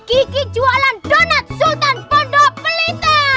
kiki jualan donut sultan pondopelita